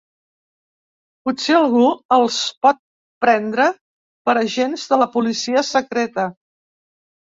Potser algú els pot prendre per agents de la policia secreta.